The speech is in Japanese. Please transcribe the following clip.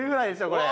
これ。